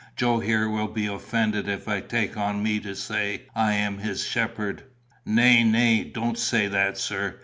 Joe here will be offended if I take on me to say I am his shepherd." "Nay, nay, don't say that, sir.